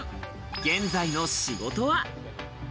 現在の仕事は。